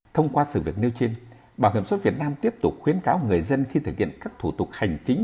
thông qua sự việc nêu trên bảo hiểm xuất việt nam tiếp tục khuyến cáo người dân khi thực hiện các thủ tục hành chính